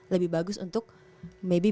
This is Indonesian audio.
lebih bagus untuk maybe